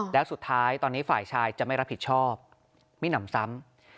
แล้วสุดท้ายตอนนี้ฝ่ายชายจะไม่รับผิดชอบไม่หนำซ้ำ